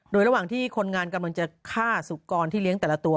โดยระหว่างที่คนงานกำลังจะฆ่าสุกรที่เลี้ยงแต่ละตัว